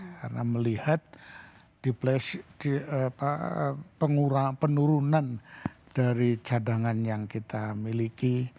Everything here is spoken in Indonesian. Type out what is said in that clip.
karena melihat penurunan dari cadangan yang kita miliki